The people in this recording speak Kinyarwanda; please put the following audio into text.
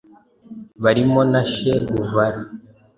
barimo na che guvara